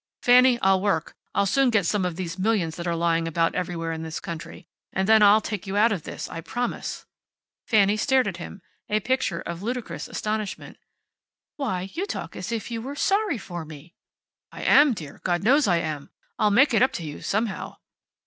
"Fanny, I'll work. I'll soon get some of these millions that are lying about everywhere in this country. And then I'll take you out of this. I promise you." Fanny stared at him, a picture of ludicrous astonishment. "Why, you talk as if you were sorry for me!" "I am, dear. God knows I am. I'll make it up to you, somehow."